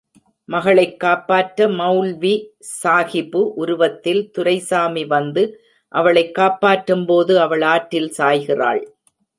மகளைக் காப்பாற்ற மெளல்வி சாகிபு உருவத்தில் துரைசாமி வந்து, அவளைக் காப்பாற்றும்போது, அவள் ஆற்றில் சாய்கிறாள்.